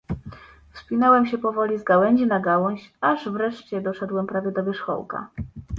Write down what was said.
"Wspinałem się powoli z gałęzi na gałąź, aż wreszcie doszedłem prawie do wierzchołka."